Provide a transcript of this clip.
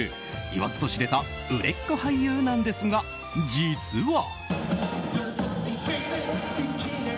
言わずと知れた売れっ子俳優なんですが、実は。